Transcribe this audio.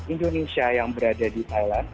indonesia yang berada di thailand